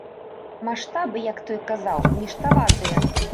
Маштабы, як той казаў, ніштаватыя!